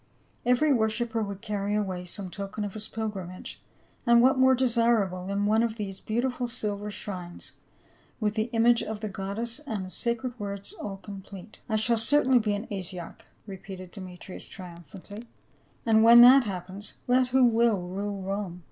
Every worshiper would carry away some token of his pilgrim age, and what more desircable than one of these beauti ful silver shrines, with the image of the goddess and the sacred words all complete. "I shall certainly be an Asiarch," repeated Deme trius triumphantly, "and when that happens, let who will rule Rome